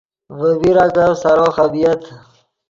ڤے بیراکف سارو خبۡیت